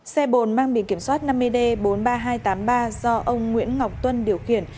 xe bồn mang biển kiểm soát năm mươi d bốn mươi ba nghìn hai trăm tám mươi ba do ông nguyễn ngọc tuân điều khiển